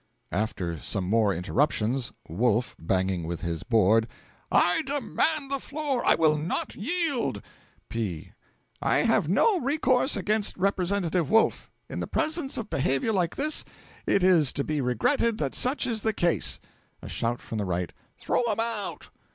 After some more interruptions: Wolf (banging with his board). 'I demand the floor. I will not yield!' P. 'I have no recourse against Representative Wolf. In the presence of behaviour like this it is to be regretted that such is the case.' (A shout from the Right, 'Throw him out!')